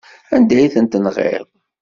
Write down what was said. Anda ay ten-tenɣiḍ?